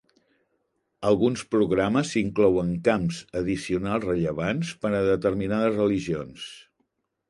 Alguns programes inclouen camps addicionals rellevants per a determinades religions.